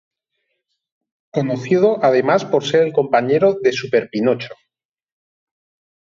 Conocido además por ser el compañero de Super Pinocho.